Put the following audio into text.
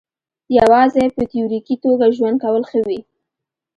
یوازې په تیوریکي توګه ژوند کول ښه وي.